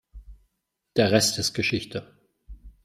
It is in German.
Der Rest ist Geschichte.